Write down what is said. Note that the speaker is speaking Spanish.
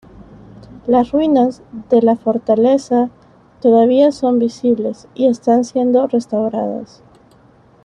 Las ruinas de la fortaleza todavía son visibles y están siendo restauradas.